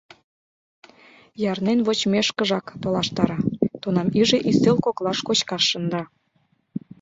Ярнен вочмешкыжак толаштара, тунам иже ӱстел коклаш кочкаш шында.